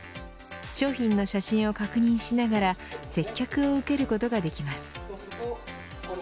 商品の写真を確認しながら接客を受けることができます。